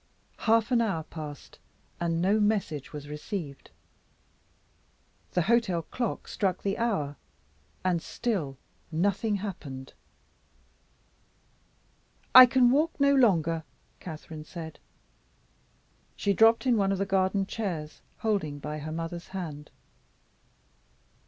Half an hour passed and no message was received. The hotel clock struck the hour and still nothing happened. "I can walk no longer," Catherine said. She dropped on one of the garden chairs, holding by her mother's hand.